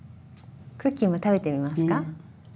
クッキーも食べてみますか？